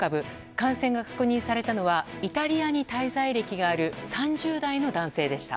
感染が確認されたのはイタリアに滞在歴がある３０代の男性でした。